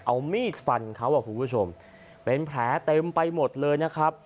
เอามีดฟันเขาอ่ะคุณผู้ชมเป็นแผลเต็มไปหมดเลยนะครับ